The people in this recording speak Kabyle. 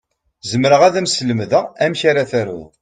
Zemreɣ ad m-slemdeɣ amek ara taruḍ.